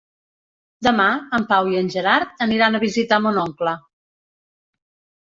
Demà en Pau i en Gerard aniran a visitar mon oncle.